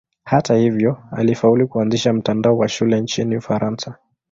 Hata hivyo alifaulu kuanzisha mtandao wa shule nchini Ufaransa.